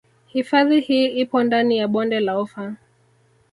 Hifadhi hii ipo ndani ya bonde la ufa